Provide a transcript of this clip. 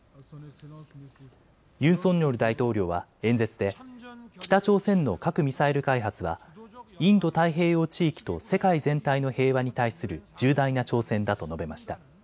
ユン・ソンニョル大統領は演説で北朝鮮の核・ミサイル開発はインド太平洋地域と世界全体の平和に対する重大な挑戦だと述べました。